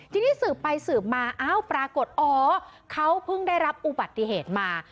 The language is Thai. ทีนี้สืบไปสืบมาอ้าวปรากฏอ๋อเขาเพิ่งได้รับอุบัติเหตุมา